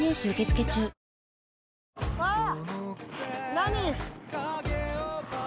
何？